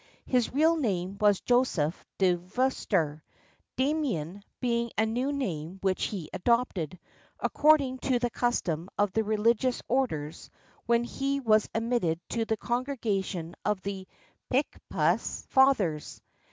His real name was Joseph de Veuster, Damien being a new name which he adopted, accord ing to the custom of the religious orders, when he was admitted to the congregation of the Picpus Fathers.